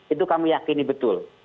itu kami yakin ini betul